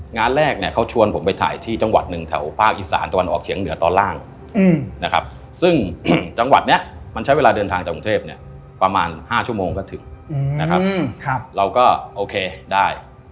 งานแรกเนี่ยเขาชวนผมไปถ่ายที่จังหวัดหนึ่งแถวภาคอีสานตะวันออกเฉียงเหนือตอนล่างนะครับซึ่งจังหวัดนี้มันใช้เวลาเดินทางจากกรุงเทพเนี่ยประมาณ๕ชั่วโมงก็ถึงนะครับเราก็โอเคได้